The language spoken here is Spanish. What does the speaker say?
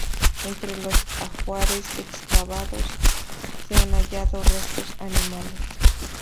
Entre los ajuares excavados se han hallado restos animales.